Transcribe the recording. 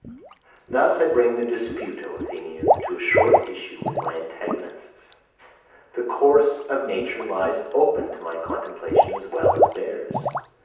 110. Thus I bring the dispute, O Athenians, to a short issue with my antagonists. The course of nature lies open to my contemplation as well as to theirs.